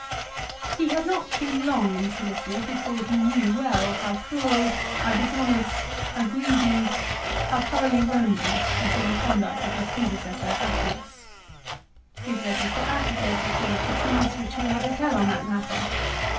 He had not been long in Cilicia before he knew well how cruel, how dishonest, how greedy, how thoroughly Eoman had been the conduct of his predecessor, Appius. His letters to Atticus are full of the truths which he had to tell on that matter.